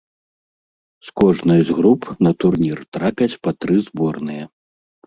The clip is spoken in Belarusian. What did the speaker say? З кожнай з груп на турнір трапяць па тры зборныя.